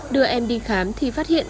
đưa em đi khám thì phát hiện